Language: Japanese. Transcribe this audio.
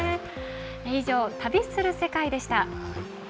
以上「旅する世界」でした。